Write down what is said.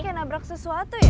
kayak nabrak sesuatu ya